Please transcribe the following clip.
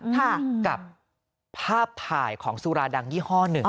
กับภาพถ่ายของสุราดังยี่ห้อหนึ่ง